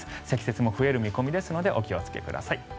積雪も増える見込みですのでお気をつけください。